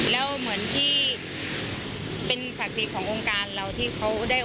แล้วเหมือนที่เป็นศักดิ์สิทธิ์ขององค์การเราที่คุยกับผู้โดยสังเกต